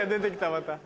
また。